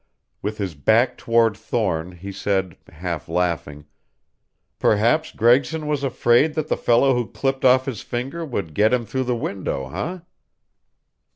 With his back toward Thorne he said, half laughing, "Perhaps Gregson was afraid that the fellow who clipped off his finger would get him through the window, eh?"